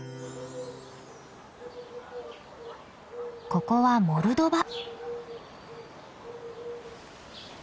ここはモルドバ。